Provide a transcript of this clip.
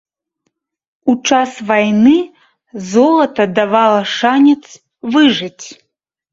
У час вайны золата давала шанец выжыць.